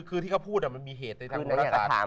คือที่เขาพูดมันมีเหตุในทางธุรกาศ